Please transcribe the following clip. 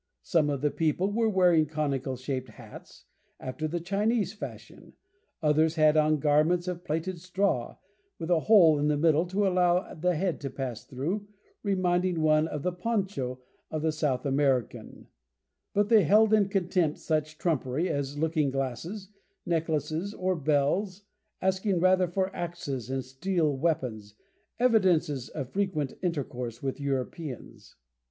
Some of the people were wearing conical shaped hats, after the Chinese fashion; others had on garments of plaited straw, with a hole in the middle to allow the head to pass through, reminding one of the "Poncho" of the South American; but they held in contempt such trumpery as looking glasses, necklaces, or bells, asking rather for axes and steel weapons, evidences of frequent intercourse with Europeans.